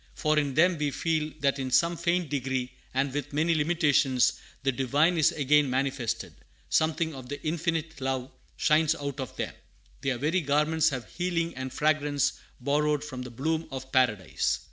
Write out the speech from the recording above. For in them we feel that in some faint degree, and with many limitations, the Divine is again manifested: something of the Infinite Love shines out of them; their very garments have healing and fragrance borrowed from the bloom of Paradise.